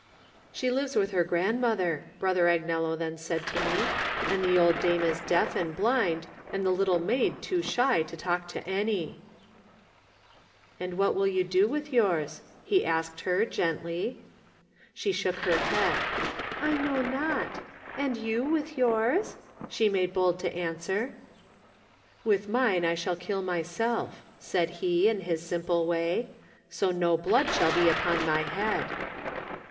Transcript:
"She lives with her grandmother," Broth er Agnello then said to me, "and the old dame is deaf and blind and the little maid too shy to talk to any." 4 ^ Digitized by Google THE NINTH MAN "And what shall you do with yours?" he asked her, gently. She shook her head. "I know not. And you with yours?" she made bold to answer. "With mine I shall kill myself," said he, in his simple way, "so no blood shall be upon my head."